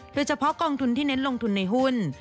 โดยเฉพาะกองทุนที่เน้นลงทุนในหุ้น